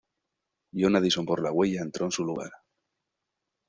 John Addison por "La huella" entró en su lugar.